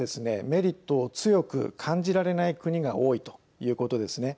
メリットを強く感じられない国が多いということですね。